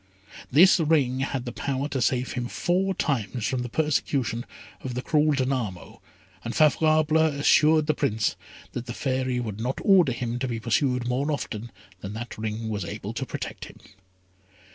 This ring had the power to save him four times from the persecution of the cruel Danamo, and Favourable assured the Prince that the Fairy would not order him to be pursued more often than that ring was able to protect him.